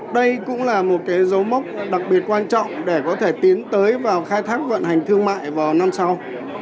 đây cũng là một dấu mốc đặc biệt quan trọng để có thể tiến tới vào khai thác vận hành thương mại vào năm sau